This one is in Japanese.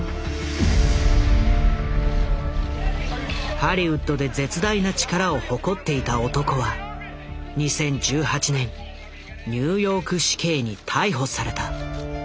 ハリウッドで絶大な力を誇っていた男は２０１８年ニューヨーク市警に逮捕された。